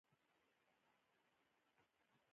سینما څنګه پرمختګ کولی شي؟